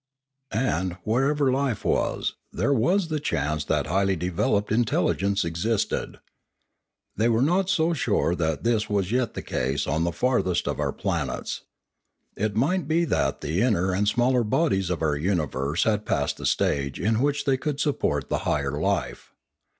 And, wherever life was, there was the chance that highly developed intelligence existed. They were not so sure that this was yet the case on the farthest of our planets. It might be that the inner and smaller bodies of our universe had passed the stage in which they could support the higher life.